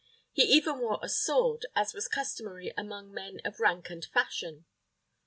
He even wore a sword, as was customary among men of rank and fashion.